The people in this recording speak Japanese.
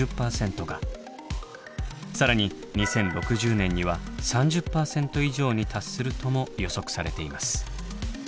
更に２０６０年には３０％以上に達するとも予測されています。